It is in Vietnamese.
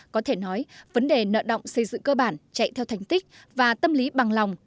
có thể nói vấn đề nợ động xây dựng cơ bản chạy theo thành tích và tâm lý bằng lòng